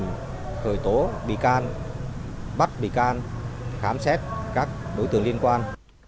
trước tình khởi tố bị can bắt bị can khám xét các đối tượng liên quan